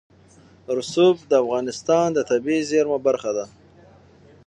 رسوب د افغانستان د طبیعي زیرمو برخه ده.